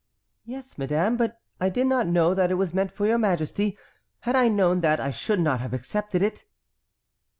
"Yes, madame, but I did not know that it was meant for your majesty. Had I known that I should not have accepted it."